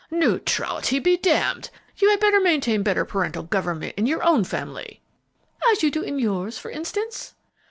"Neutrality be damned! you had better maintain better parental government in your own family!" "As you do in yours, for instance."